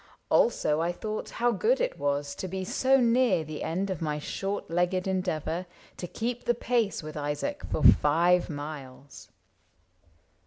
Also I thought how good it was to be So near the end of my short legged endeavor To keep the pace with Isaac for five miles.